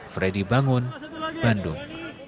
freddy bangun bandung